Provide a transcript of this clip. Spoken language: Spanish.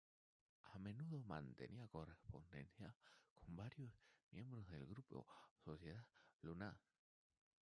A menudo mantenía correspondencia con varios miembros del grupo Sociedad Lunar.